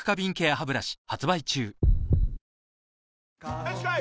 よしこい！